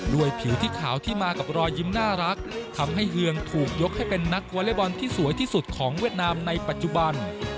ผิวที่ขาวที่มากับรอยยิ้มน่ารักทำให้เฮืองถูกยกให้เป็นนักวอเล็กบอลที่สวยที่สุดของเวียดนามในปัจจุบัน